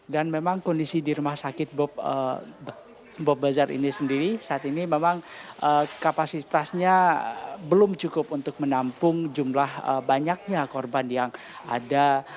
dan memang kondisi di rumah sakit bob bazar ini sendiri saat ini memang kapasitasnya belum cukup untuk menampung jumlah banyaknya korban yang ada